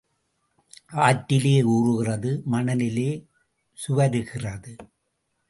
ஆற்றிலே ஊறுகிறது, மணலிலே சுவருகிறது.